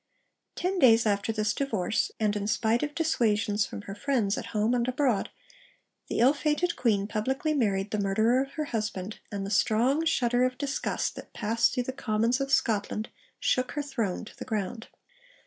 Ten days after this divorce, and in spite of dissuasions from her friends at home and abroad, the ill fated Queen publicly married the murderer of her husband, and the strong shudder of disgust that passed through the commons of Scotland shook her throne to the ground.